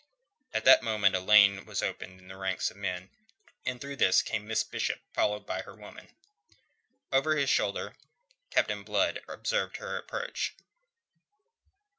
At that moment a lane was opened in the ranks of the men, and through this came Miss Bishop followed by her octoroon woman. Over his shoulder Captain Blood observed her approach.